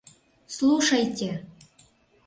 — Слушайте!..